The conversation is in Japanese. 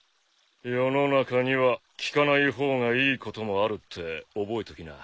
世の中には聞かない方がいいこともあるって覚えときな。